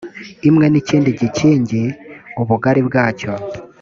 imwe n ikindi gikingi ubugari bwacyo